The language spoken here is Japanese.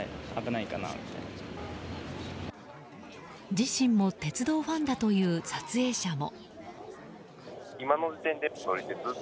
自身も鉄道ファンだという撮影者も。